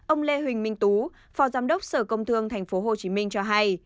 ông lê huỳnh minh tú phó giám đốc sở công thương thành phố hồ chí minh cho hay